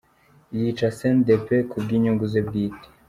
Yica cndp kubwi nyungu ze bwite.